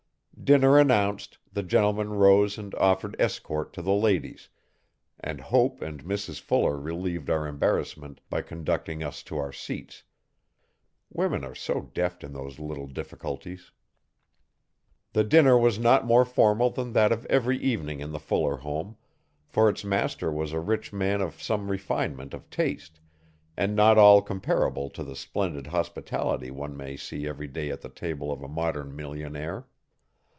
Dinner announced, the gentlemen rose and offered escort to the ladies, and Hope and Mrs Fuller relieved our embarrassment by conducting us to our seats women are so deft in those little difficulties. The dinner was not more formal than that of every evening in the Fuller home for its master was a rich man of some refinement of taste and not at all comparable to the splendid hospitality one may see every day at the table of a modern millionaire.